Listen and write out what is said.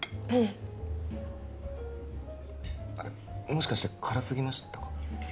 もしかして辛すぎましたか？